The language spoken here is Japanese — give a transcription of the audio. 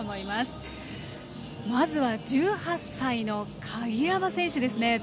まずは１８歳の鍵山選手ですね。